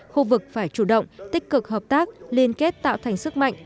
khu vực phải chủ động tích cực hợp tác liên kết tạo thành sức mạnh